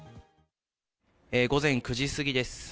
午前９時過ぎです。